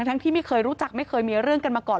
ที่ไม่เคยรู้จักไม่เคยมีเรื่องกันมาก่อน